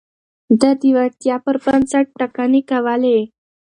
ده د وړتيا پر بنسټ ټاکنې کولې.